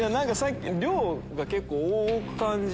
量が結構多く感じて。